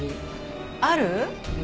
ある？